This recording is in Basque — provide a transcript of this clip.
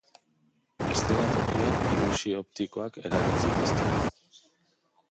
Eszenatokian ilusio optikoak eragin zituzten.